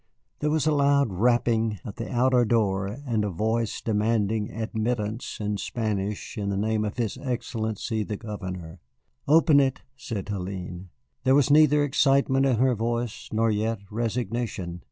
There was a loud rapping at the outer door, and a voice demanding admittance in Spanish in the name of his Excellency the Governor. "Open it," said Hélène. There was neither excitement in her voice, nor yet resignation.